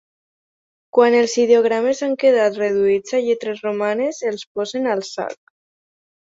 Quan els ideogrames han quedat reduïts a lletres romanes els posen al sac.